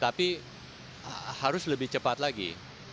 tapi harus lebih cepat lagi